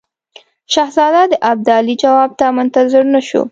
شهزاده د ابدالي جواب ته منتظر نه شو.